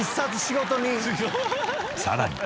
さらに。